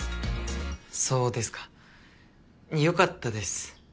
そうですかよかったです。